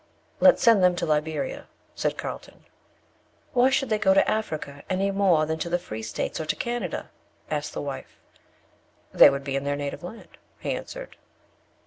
"Let's send them to Liberia," said Carlton. "Why should they go to Africa, any more than to the Free States or to Canada?" asked the wife. "They would be in their native land," he answered.